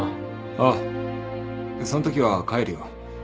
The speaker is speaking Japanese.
ああそんときは帰るよ。